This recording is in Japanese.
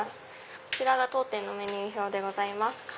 こちらが当店のメニュー表でございます。